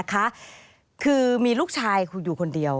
คือมีลูกชายอยู่คนเดียว